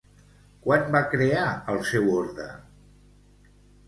Quan va crear el seu orde?